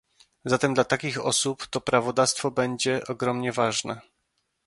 Zatem dla takich osób to prawodawstwo będzie ogromnie ważne